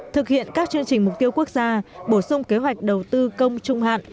thực hiện các chương trình mục tiêu quốc gia bổ sung kế hoạch đầu tư công trung hạn